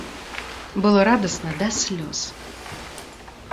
Было радасна да слёз.